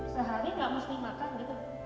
sehari nggak mesti makan gitu